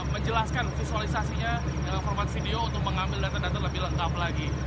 menjelaskan visualisasinya dalam format video untuk mengambil data data lebih lengkap lagi